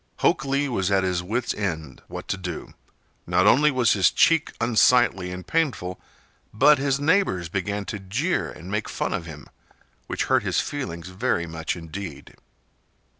Hok Lee was at his wits' end what to do. Not only was his check unsightly and painful, but his neighbors began to jeer and make fun of him, which hurt his feelings very much indeed.